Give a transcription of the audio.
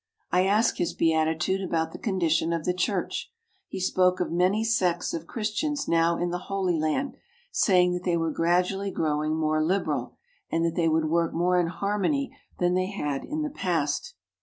I asked His Beatitude about the condition of the Church. He spoke of many sects of Christians now in the Holy Land, saying that they were gradually growing more liberal, and that they would work more in harmony than they had in the past.